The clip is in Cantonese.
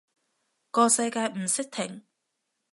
個世界唔識停